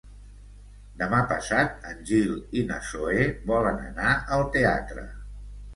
Demà passat en Gil i na Zoè volen anar al teatre.